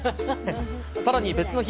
さらに別の日。